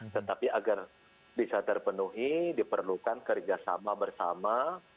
tetapi agar bisa terpenuhi diperlukan kerjasama bersama